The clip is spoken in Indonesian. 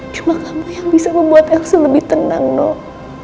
cuma kamu yang bisa membuat elsa lebih tenang nol